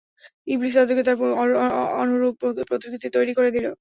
ইবলীস তাদেরকে তার অনুরূপ প্রতিকৃতি তৈরি করে দিল।